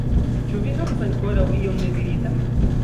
Ĉu vi havas ankoraŭ ion nediritan?